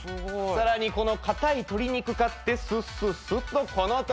さらにこの硬い鶏肉かってスッスッスッとこのとおり。